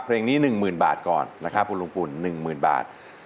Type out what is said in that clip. เพลงนี้๑๐๐๐บาทก่อนนะครับคุณลุงปุ่น๑๐๐๐บาท